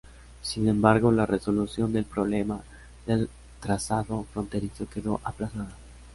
Sin embargo la resolución del problema del trazado fronterizo quedó aplazada.